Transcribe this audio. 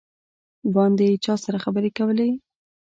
باندې یې چا سره خبرې کولې.